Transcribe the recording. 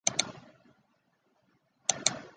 参与观察是一种研究策略。